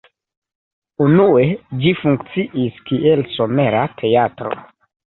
Unue ĝi funkciis kiel somera teatro.